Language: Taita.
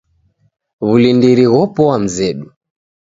Wulindiri ghopoa mzedu